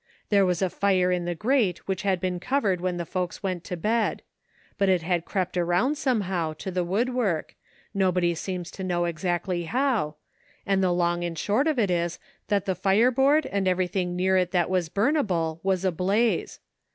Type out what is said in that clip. There was a fire in the grate which had been covered when the folks went to bed; but it had crept around, somehow, to the woodwork, nobody seems to know exactly how; and the long and short of it is that the fireboard and everything near it that was burn able was ablaze.